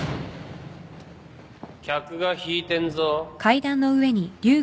客が引いてんぞ？